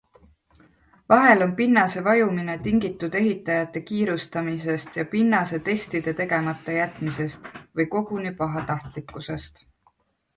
Vahel on pinnase vajumine tingitud ehitajate kiirustamisest ja pinnasetestide tegemata jätmisest või koguni pahatahtlikkusest.